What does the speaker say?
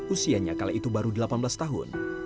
usianya kala itu baru delapan belas tahun